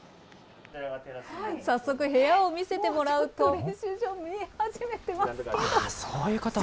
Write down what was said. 早速部屋を見せてもらうと。